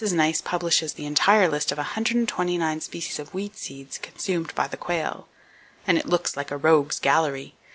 Nice publishes the entire list of 129 species of weed seeds consumed by the quail,—and it looks like a rogue's gallery.